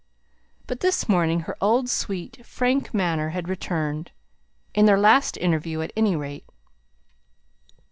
But this morning her old sweet, frank manner had returned in their last interview, at any rate.